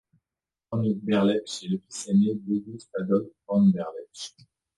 Von Berlepsch est le fils aîné d'August Adolph von Berlepsch.